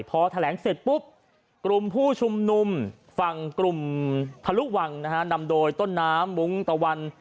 พอแถลงเสร็จปุ๊บกลุ่มผู้ชุมนุมฝั่งกลุ่มทะลุวังนะฮะนำโดยต้นน้ำมุ้งตะวัน